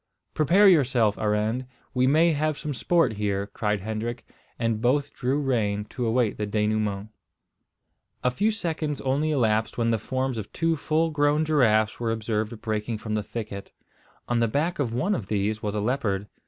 "Prepare yourself, Arend; we may have some sport here," cried Hendrik, and both drew rein to await the denouement. A few seconds only elapsed when the forms of two full grown giraffes were observed breaking from the thicket. On the back of one of these was a leopard.